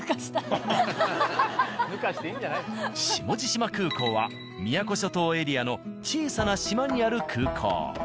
下地島空港は宮古諸島エリアの小さな島にある空港。